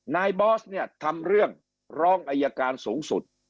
บอสเนี่ยทำเรื่องร้องอายการสูงสุด